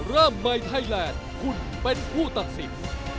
ร่ำใบไทยแลนด์คุณเป็นผู้ตัดสิน